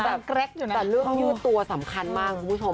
ยังเกร็กอยู่นะแต่เรื่องยืดตัวสำคัญมากคุณผู้ชม